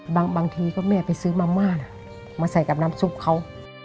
บางทีก็แม่ไปซื้อมาม่ามาใส่กับน้ำซุปเขา